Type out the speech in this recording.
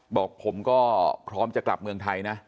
บอกผมก็พร้อมจะกลับเมืองไทยนะ